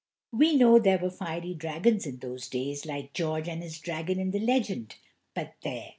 (We know there were fiery dragons in those days, like George and his dragon in the legend; but, there!